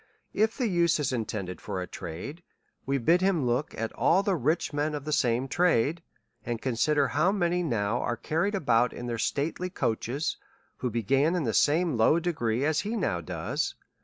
If the youth is intended for a trade, we bid him look at all the rich men of the same trade, and consider how many now are carried about in their stately coaches, who began in the same low degree as he now does.